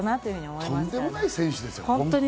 とんでもない選手ですよ。